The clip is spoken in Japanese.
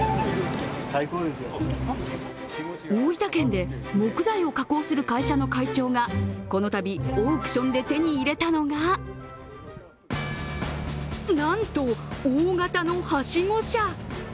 大分県で木材を加工する会社の会長が、このたびオークションで手に入れたのが、なんと大型のはしご車。